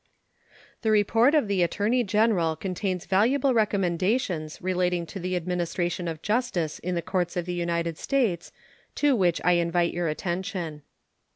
The report of the Attorney General contains valuable recommendations relating to the administration of justice in the courts of the United States, to which I invite your attention.